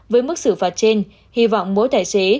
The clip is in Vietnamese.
với mức xử phạt trên hy vọng mỗi tài xế